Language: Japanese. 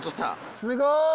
すごい！